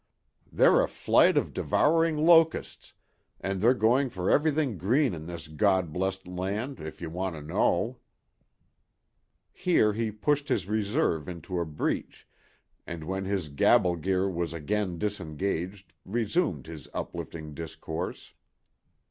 "They're a flight of devouring locusts, and they're going for everything green in this God blest land, if you want to know." Here he pushed his reserve into the breach and when his gabble gear was again disengaged resumed his uplifting discourse.